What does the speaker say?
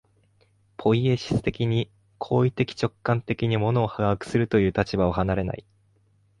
ポイエシス的に、行為的直観的に物を把握するという立場を離れない。